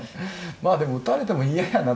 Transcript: まあでも打たれても嫌やな